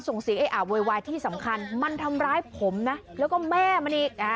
ส่งศีกไอ้อาบโยย์วายที่สำคัญมันทำร้ายผมแล้วก็แม่มันอีก